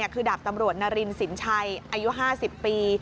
คือดาบตำรวจนารินสินชัยอายุ๕๐ปี